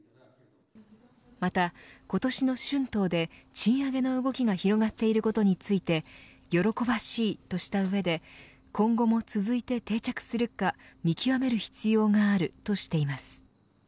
また、今年の春闘で賃上げの動きが広がっていることについて喜ばしい、とした上で今後も続いて定着するか見極める必要があるとしています。